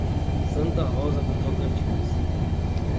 Santa Rosa do Tocantins